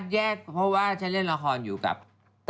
แยกเพราะว่าฉันเล่นละครอยู่กับ